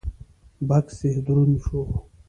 بکس يې دروند شو.